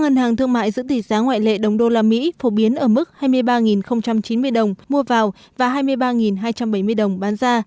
ngân hàng thương mại giữ tỷ giá ngoại lệ đồng đô la mỹ phổ biến ở mức hai mươi ba chín mươi đồng mua vào và hai mươi ba hai trăm bảy mươi đồng bán ra